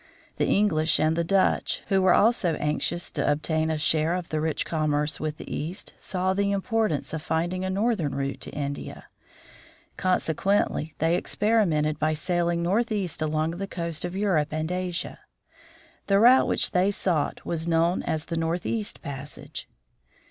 The English and the Dutch, who were also anxious to obtain a share of the rich commerce with the East, saw the importance of finding a northern route to ^«™«™^"^ India ; consequently ___ they experimented by sailing northeast __„..__. along the coast of Europe and Asia. The route which they .JP.uthernmp_st_ray$_ sought was known as _^ The Earth on June 21. the northeastpassage.